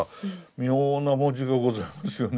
妙な文字がございますよね